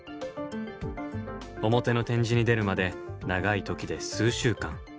表の展示に出るまで長い時で数週間。